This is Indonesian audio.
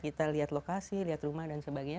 kita lihat lokasi lihat rumah dan sebagainya